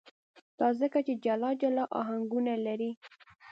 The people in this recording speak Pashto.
دا ځکه چې جلا جلا آهنګونه لري.